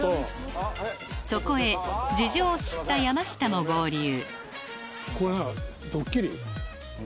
そこへ事情を知った山下も合流これ何？